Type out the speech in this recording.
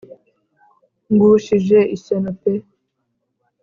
ngushije ishyano pe